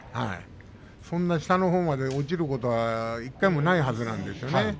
そんなに下のほうまで落ちることは１回もないはずなんですね。